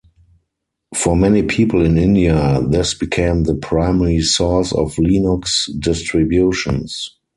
For many people in India, this became the primary source of Linux distributions.